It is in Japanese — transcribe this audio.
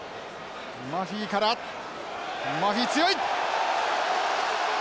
マフィからマフィ強い！